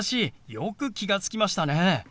よく気が付きましたね。